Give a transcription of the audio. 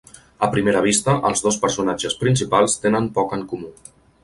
A primera vista, els dos personatges principals tenen poc en comú.